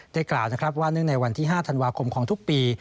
ได้กล่าวว่านึ่งในวันที่๕ธันวาคมของทุกปี